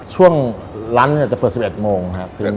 ช่วงร้านจะเปิด๑๑โมงครับ